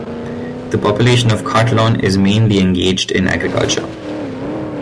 The population in Khatlon is mainly engaged in Agriculture.